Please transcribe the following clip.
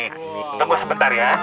tunggu sebentar ya